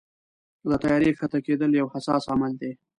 د طیارې کښته کېدل یو حساس عمل دی.